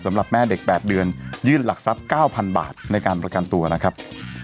สำหรับแม่เด็ก๘เดือนยื่นหลักทรัพย์๙๐๐บาทในการประกันตัวนะครับ